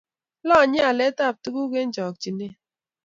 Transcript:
Lanye alet ab tuguk eng chakichinet